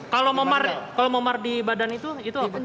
kalau memar di badan itu itu apa